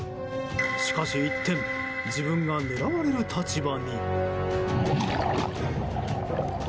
しかし一転自分が狙われる立場に。